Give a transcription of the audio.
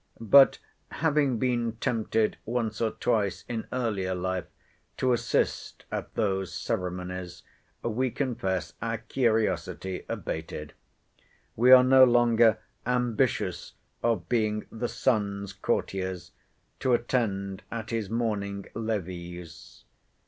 But, having been tempted once or twice, in earlier life, to assist at those ceremonies, we confess our curiosity abated. We are no longer ambitious of being the sun's courtiers, to attend at his morning levees.